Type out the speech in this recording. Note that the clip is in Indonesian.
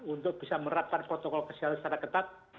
untuk bisa menerapkan protokol kesehatan secara ketat